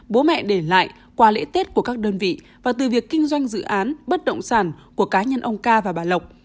bố mẹ để lại qua lễ tết của các đơn vị và từ việc kinh doanh dự án bất động sản của cá nhân ông ca và bà lộc